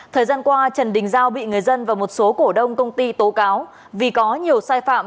thời gian qua trần đình giao bị người dân và một số cổ đông công ty tố cáo vì có nhiều sai phạm